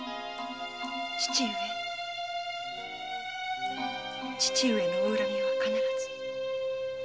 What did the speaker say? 父上父上のお恨みは必ず。